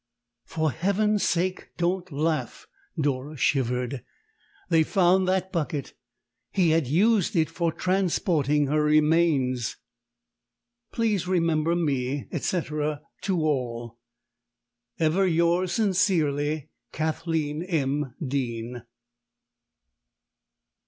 "For Heaven's sake don't laugh!" Dora shivered. "They found that bucket he had used it for transporting her remains!" Please remember me, &c., to all. Ever yours sincerely, KATHLEEN M. DEAN.